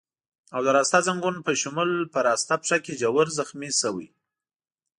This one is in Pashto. او د راسته ځنګون په شمول په راسته پښه کې ژور زخمي شوی.